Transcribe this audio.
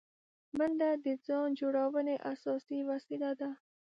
منډه د ځان جوړونې اساسي وسیله ده